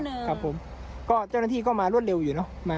หนึ่งเก้าหนึ่งครับผมก็เจ้าหน้าที่ก็มารวดเร็วอยู่เนอะ